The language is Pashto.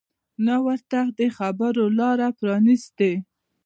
نه ورته د خبرو لاره پرانیستې